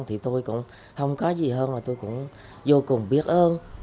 thì tôi cũng không có gì hơn và tôi cũng vô cùng biết ơn